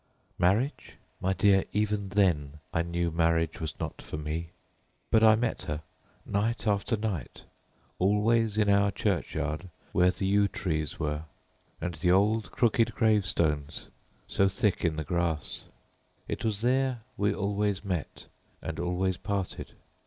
Marriage? My dear, even then I knew marriage was not for me. But I met her night after night, always in our churchyard where the yew trees were and the lichened gravestones. It was there we always met and always parted.